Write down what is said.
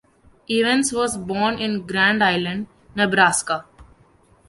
Evans was born in Grand Island, Nebraska.